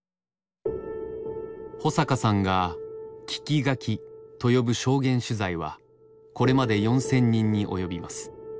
保阪さんが「聞き書き」と呼ぶ証言取材はこれまで４，０００人に及びます。